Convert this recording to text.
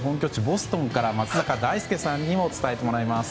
ボストンから松坂大輔さんにも伝えてもらいます。